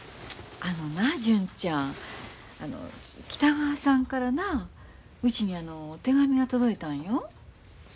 あのな純ちゃん北川さんからなうちに手紙が届いたんよ。